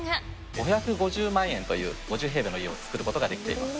５５０万円という、５０平米の家を造ることができています。